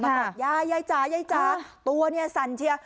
บอกยายยายจ๋ายายจ๋าตัวเนี่ยสั่นเชียร์